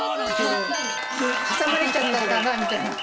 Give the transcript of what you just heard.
挟まれちゃったのかなみたいな。